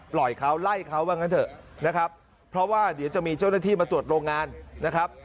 ปล่อยเขาไล่เขาว่างั้นเถอะนะครับเพราะว่าเดี๋ยวจะมีเจ้าหน้าที่มาตรวจโรงงานนะครับ